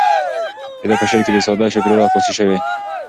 د ده په شعر کې د ساده چاپیریال عکاسي شوې.